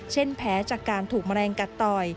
เช่นแพ้จากการถูกแมลงกัดต่อย